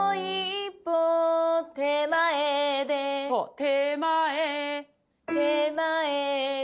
「手前」「手前で」